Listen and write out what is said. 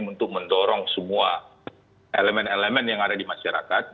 untuk mendorong semua elemen elemen yang ada di masyarakat